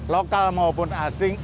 lokal maupun asing